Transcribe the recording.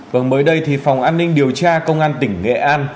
vâng mới đây thì phòng an ninh điều tra công an tỉnh nghệ an